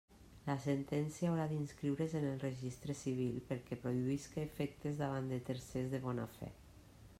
La sentència haurà d'inscriure's en el registre civil perquè produïsca efectes davant de tercers de bona fe.